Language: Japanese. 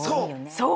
そう！